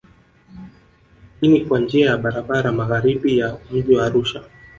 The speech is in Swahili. Hii ni kwa njia ya barabara magharibi ya mji wa Arusha